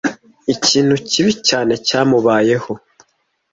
Ikintu kibi cyane cyamubayeho.